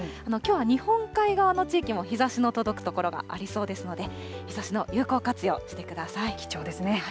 きょうは日本海側の地域も日ざしの届く所がありそうですので、日ざしの有効活用、してください。